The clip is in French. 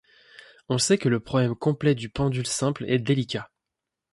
On sait que le problème complet du pendule simple est délicat.